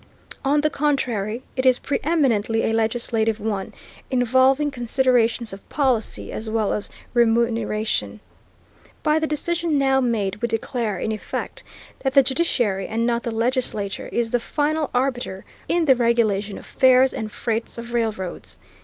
On the contrary, it is preëminently a legislative one, involving considerations of policy as well as of remuneration.... By the decision now made we declare, in effect, that the judiciary, and not the legislature, is the final arbiter in the regulation of fares and freights of railroads....